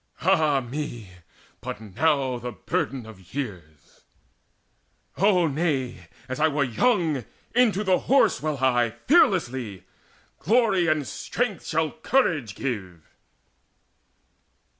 Ah me, but now the burden of years O nay, As I were young, into the Horse will I Fearlessly! Glory and strength shall courage give."